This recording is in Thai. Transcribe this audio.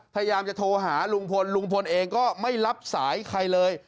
พยายามจะโทรหาลุงพลลุงพลเองก็ไม่รับสายใครเลย